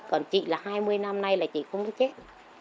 còn chị là hai mươi năm nay là chị không có chết